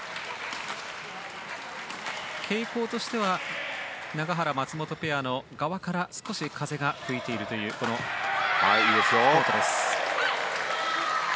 傾向としては永原、松本ペアの側から少し風が吹いているというコート。